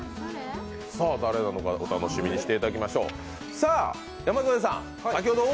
誰なのか、お楽しみにしていただきましょう。